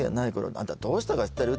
「あんたどうしたか知ってる？